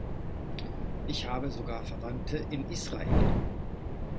Ich habe sogar Verwandte in Israel.